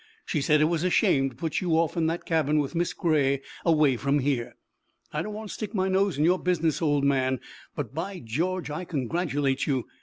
She said it was a shame to put you off in that cabin with Miss Gray away up here. I don't want to stick my nose in your business, old man, but by George! I congratulate you!